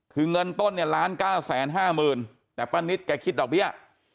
คือเงินต้นเนี่ย๑๙๕๐๐๐แต่ป้านิตแกคิดดอกเบี้ย